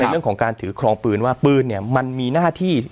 เรื่องของการถือครองปืนว่าปืนเนี่ยมันมีหน้าที่